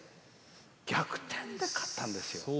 逆転で勝ったんですよ。